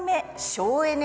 省エネ？